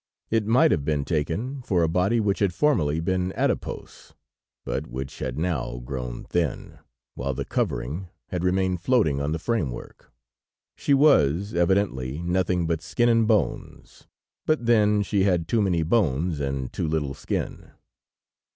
It might have been taken for a body which had formerly been adipose, but which had now grown thin, while the covering had remained floating on the framework. She was evidently nothing but skin and bones, but then she had too many bones and too little skin.